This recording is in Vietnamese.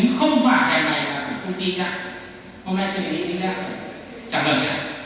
nhu cầu ráng chuyển cho tôi năm cái đèn ở đây để tặng